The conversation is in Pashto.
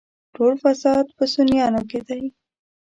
ټول فساد په سنيانو کې دی.